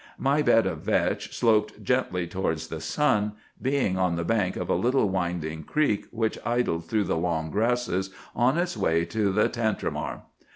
My bed of vetch sloped gently toward the sun, being on the bank of a little winding creek which idled through the long grasses on its way to the Tantramar.